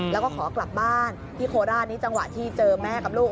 แล้วก็ขอกลับบ้านที่โคราชนี้จังหวะที่เจอแม่กับลูก